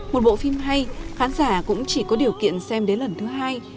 một bộ phim hay khán giả cũng chỉ có điều kiện xem đến lần thứ hai